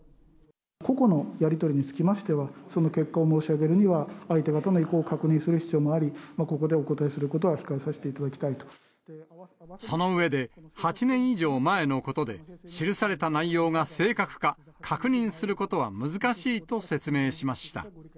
個々のやり取りにつきましては、その結果を申し上げるには、相手方の意向を確認する必要もあり、ここではお答えすることは控その上で、８年以上前のことで、記された内容が正確か、確認することは難しいと説明しました。